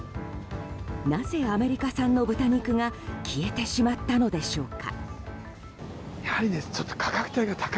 なぜ、アメリカ産の豚肉が消えてしまったのでしょうか。